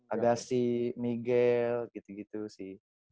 ada si miguel gitu gitu si